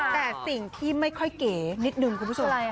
แต่สิ่งที่ไม่ค่อยเก๋นิดนึงคุณผู้ชม